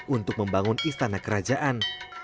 untuk membangun istana kerajaan